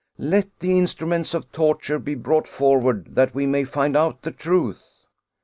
Let the instruments of torture be brought forward that we may find out the truth."